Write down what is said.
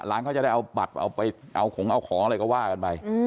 ร้านเขาจะได้เอาบัตรเอาไปเอาของเอาของอะไรก็ว่ากันไป